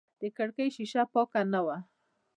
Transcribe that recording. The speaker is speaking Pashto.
د کړکۍ شیشه پاکه نه وه.